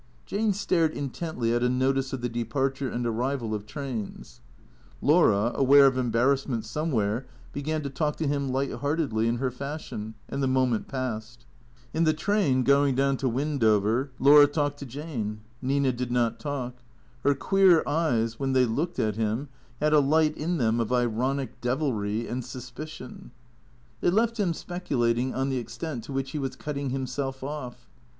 Jane stared intently at a notice of the departure and arrival of trains. Laura, aware of embarrassment somewhere, began to talk to him light heartedly, in her fashion, and the moment passed. In the train, going down to Wendover, Laura talked to Jane. Nina did not talk. Ilcr (jueer eyes, when they looked at him, had a light in them of ironic devilry and suspicion. They left THECKEATORS 59 him speculating on the extent to which he was cutting himself off.